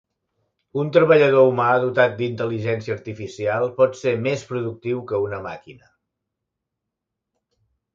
Un treballador humà dotat d'intel·ligència artificial pot ser més productiu que una màquina.